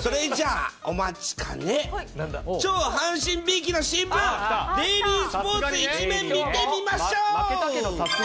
それじゃあ、お待ちかね、超阪神びいきの新聞、デイリースポーツ１面、見てみましょう。